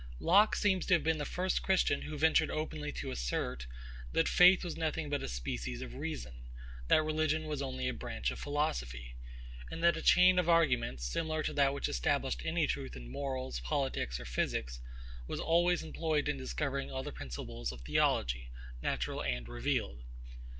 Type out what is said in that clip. LOCKE seems to have been the first Christian who ventured openly to assert, that faith was nothing but a species of reason; that religion was only a branch of philosophy; and that a chain of arguments, similar to that which established any truth in morals, politics, or physics, was always employed in discovering all the principles of theology, natural and revealed.